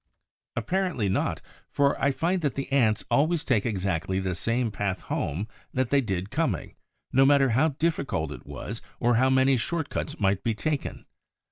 Apparently not; for I find that the Ants always take exactly the same path home that they did coming, no matter how difficult it was or how many short cuts might be taken.